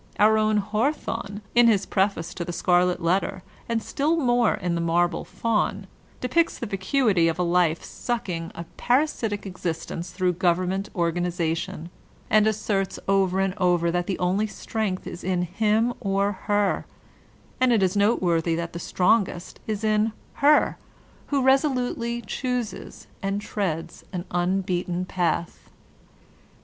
Our own Haw Anarchism in LiTERATUitE 151 thorne in his preface to the "Scarlet Letter/' and stil! more in the "Marble Faun/' depicts the vacuity of a life sucking a parasitic existence through government organ ization, and asserts over and over that the only strength is in him or her — and it is noteworthy that the strongest is in "her" — who resolutely chooses and treads an un beaten path.